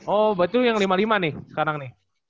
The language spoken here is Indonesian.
oh berarti lo yang lima lima nih sekarang nih